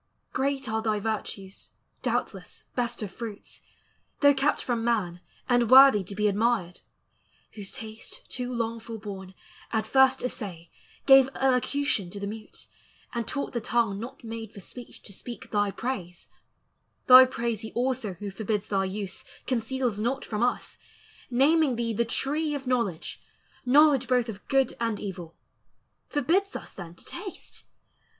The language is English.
"Great are thy virtues, doubtless, best of fruits, Though kept from man, and worthy to be admired, Whose taste, too long forborne, at first assay Gave elocution to the mute, and taught The tongue not made for speech to speak thy praise: Thy praise he also who forbids thy use Conceals not from us, naming thee the Tree Of Knowledge, knowledge both of good and evil; Forbids us then to taste!